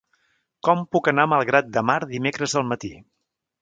Com puc anar a Malgrat de Mar dimecres al matí?